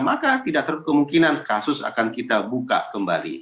maka tidak terutup kemungkinan kasus akan kita buka kembali